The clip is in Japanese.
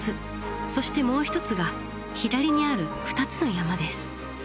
そしてもう一つが左にある２つの山です。